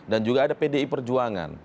dan juga ada pdi perjuangan